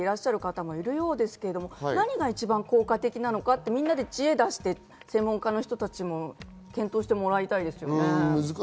軽石の再利用方法とか考えていらっしゃる方もいるようですけれど、何が一番効果的なのかみんなで知恵を出して専門家の方たちも検討してもらいたいですね。